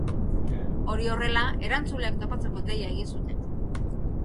Hori horrela, erantzuleak topatzeko deia egin zuten.